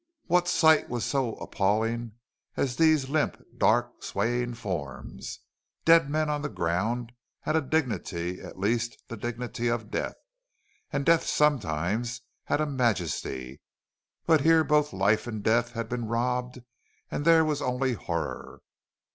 What sight was so appalling as these limp, dark, swaying forms? Dead men on the ground had a dignity at least the dignity of death. And death sometimes had a majesty. But here both life and death had been robbed and there was only horror.